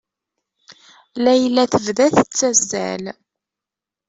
Layla tebda tettazzal.